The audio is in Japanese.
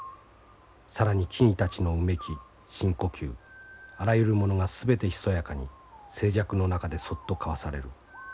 更に木々たちのうめき深呼吸あらゆるものが全てひそやかに静寂の中でそっと交わされる。